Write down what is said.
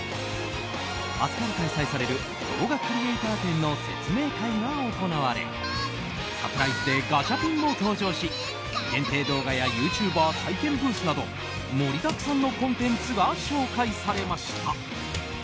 明日から開催される動画クリエイター展の説明会が行われサプライズでガチャピンも登場し限定動画やユーチューバー体験ブースなど盛りだくさんのコンテンツが紹介されました。